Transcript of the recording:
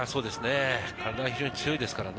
体が非常に強いですからね。